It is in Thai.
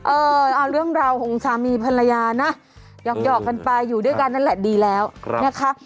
เออเอาเรื่องราวของสามีภรรยานะหยอกกันไปอยู่ด้วยกันนั่นแหละดีแล้วนะคะ